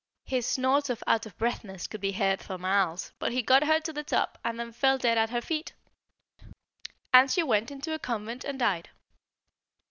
His snorts of out of breathness could be heard for miles, but he got her to the top and then fell dead at her feet; and she went into a convent and died.